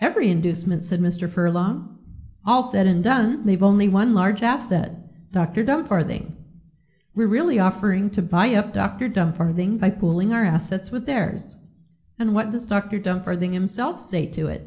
"Every inducement," said Mr. Furlong. "All said and done they've only one large asset Dr. Dumfarthing. We're really offering to buy up Dr. Dumfarthing by pooling our assets with theirs." "And what does Dr. Dumfarthing himself say to it?"